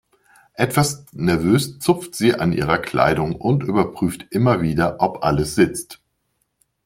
Etwas nervös zupft sie an ihrer Kleidung und überprüft immer wieder, ob alles sitzt.